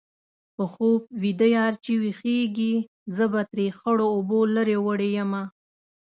په خوب ویده یار چې ويښېږي-زه به ترې خړو اوبو لرې وړې یمه